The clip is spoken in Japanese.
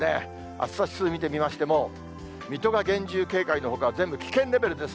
暑さ指数を見てみましても、水戸が厳重警戒のほかは、全部危険レベルです。